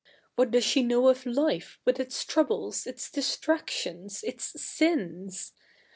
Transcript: What does she know of life, with its troubles, its distractio?is, its sins